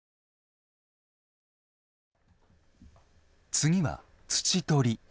次は土取り。